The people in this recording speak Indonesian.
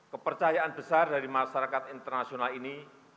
kepercayaan besar dari masyarakat internasional ini